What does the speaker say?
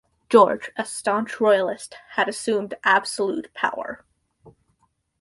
George, a staunch royalist, had assumed absolute power.